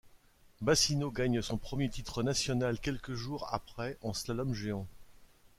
Bassino gagne son premier titre national quelques jours après en slalom géant.